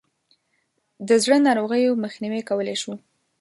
د زړه ناروغیو مخنیوی کولای شو.